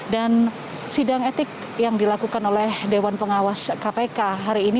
dan sidang etik yang dilakukan oleh dewan pengawas kpk hari ini